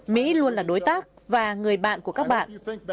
mỹ luôn là đối tác và người bạn của các bạn